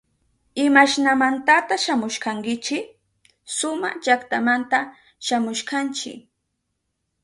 ¿Imashnamantata shamushkankichi? Suma llaktamanta shamushkanchi.